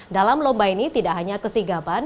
dalam lomba ini tidak hanya kesigapan